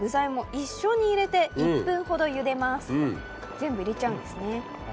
全部入れちゃうんですね。